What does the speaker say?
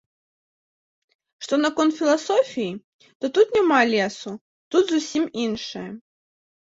Што наконт філасофіі, то тут няма лесу, тут зусім іншае.